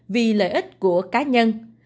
vì lợi ích của cá nhân